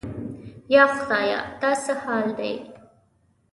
یا خدایه دا څه حال دی؟